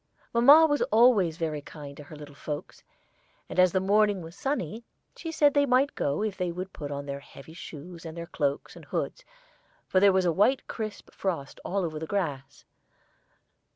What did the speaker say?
Mamma was always very kind to her little folks, and as the morning was sunny, she said they might go if they would put on their heavy shoes and their cloaks and hoods, for there was a white crisp frost all over the grass.